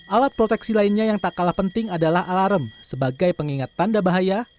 alat proteksi lainnya yang tak kalah penting adalah alarm sebagai pengingat tanda bahaya